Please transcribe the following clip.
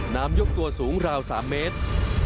ยกตัวสูงราว๓เมตร